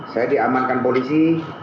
saya diamankan polisi